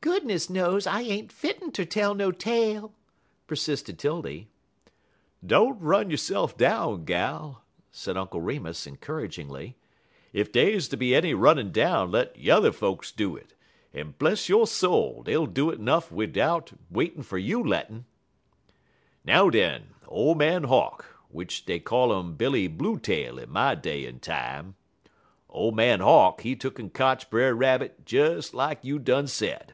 "Goodness knows I ain't fittin' ter tell no tale," persisted 'Tildy. "Don't run yo'se'f down, gal," said Uncle Remus, encouragingly; "ef dey's to be any runnin' down let yuther folks do it; en, bless yo' soul, dey'll do 'nuff un it bidout waitin' fer yo' lettin'. "Now, den, old man Hawk, w'ich dey call 'im Billy Blue tail in my day en time, ole man Hawk, he tuck'n kotch Brer Rabbit des lak you done said.